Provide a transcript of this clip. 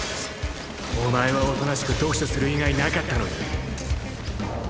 お前はおとなしく読書する以外なかったのに。